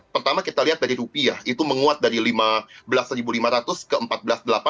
pertama kita lihat dari rupiah itu menguat dari rp lima belas lima ratus ke rp empat belas delapan ratus